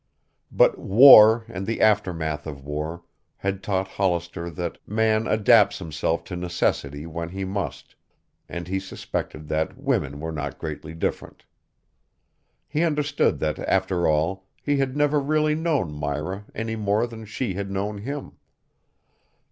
But war and the aftermath of war had taught Hollister that man adapts himself to necessity when he must, and he suspected that women were not greatly different. He understood that after all he had never really known Myra any more than she had known him.